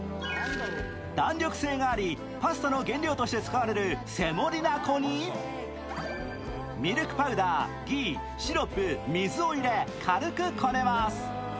弾力性があり、パスタの原料として使われるセモリナ粉にミルクパウダー、ギー、シロップ、水を入れ、軽くこねます。